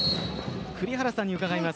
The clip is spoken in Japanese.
栗原さんに伺います。